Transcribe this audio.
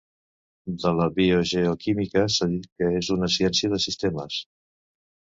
De la biogeoquímica s'ha dit que és una ciència de sistemes.